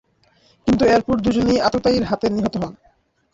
কিন্তু এরপর দুজনেই আততায়ীর হাতে নিহত হন।